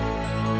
pasti aku bang